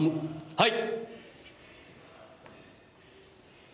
はい！